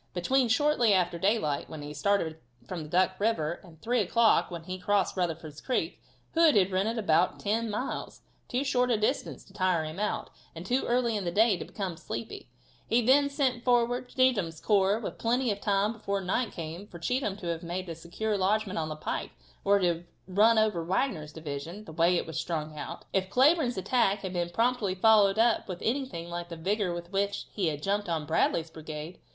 Between "shortly after daylight," when he started from Duck river, and 3 o'clock, when he had crossed Rutherford's creek. Hood had ridden about ten miles too short a distance to tire him out, and too early in the day to become sleepy. He then sent forward Cheatham's corps with plenty of time before night came for Cheatham to have made a secure lodgement on the pike, or to have run over Wagner's division, the way it was strung out, if Cleburne's attack had been promptly followed up with anything like the vigor with which he had jumped on Bradley's brigade.